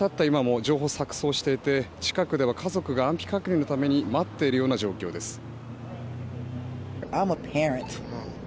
今も情報は錯そうしていて近くでは家族が安否確認のために待っているような状況です。